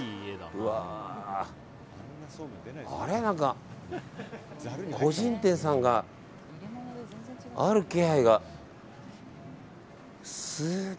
何か個人店さんがある気配が。